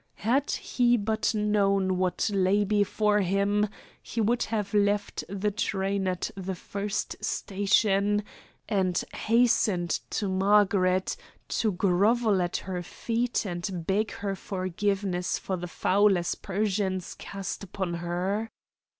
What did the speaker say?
Had he but known what lay before him he would have left the train at the first station and hastened to Margaret, to grovel at her feet and beg her forgiveness for the foul aspersions cast upon her.